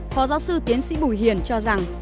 phó giáo sư tiến sĩ bùi hiền cho rằng